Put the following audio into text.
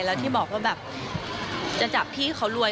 แล้วที่บอกว่าแบบจะจับพี่เขารวย